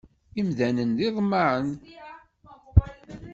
Imdanen d iḍemmaɛen.